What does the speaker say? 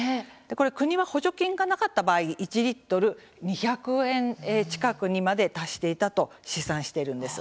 国は、補助金がなかった場合１リットル２００円近くにまで達していたと試算しているんです。